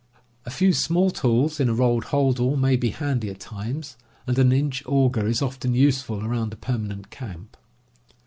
A few small tools in a rolled holdall may be handy at times, and an inch auger is often useful around a permanent camp.